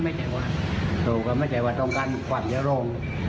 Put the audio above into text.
ไม่ใช่ว่าต้องการมีความเยอะโล่ง